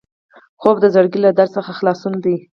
خوب د زړګي له درد څخه خلاصون دی